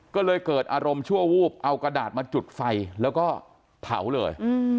ก็เลยเกิดอารมณ์ชั่ววูบเอากระดาษมาจุดไฟแล้วก็เผาเลย